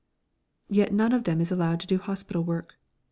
Yet none of them is allowed to do hospital work.